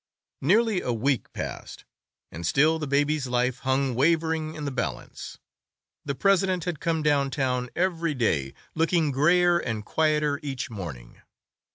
Nearly a week passed, and still the baby's life hung wavering in the balance; the president had come down town every day, looking grayer and quieter each morning.